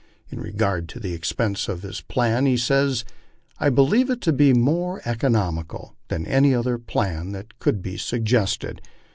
In regard to the expense of his plan he says : "I believe it to be more economi cal than any other plan that could be suggested.